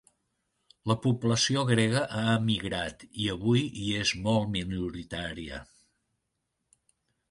La població grega ha emigrat i avui hi és molt minoritària.